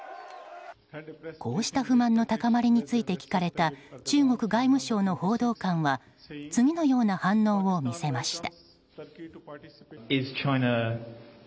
こうした不満の高まりについて聞かれた中国外務省の報道官は次のような反応を見せました。